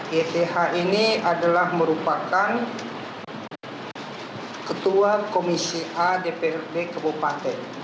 yth ini adalah merupakan ketua komisi adprb kebupaten